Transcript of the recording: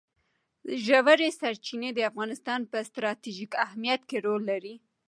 ژورې سرچینې د افغانستان په ستراتیژیک اهمیت کې رول لري.